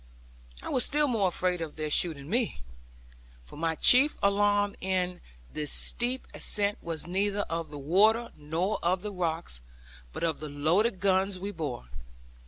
I was still more afraid of their shooting me; for my chief alarm in this steep ascent was neither of the water nor of the rocks, but of the loaded guns we bore.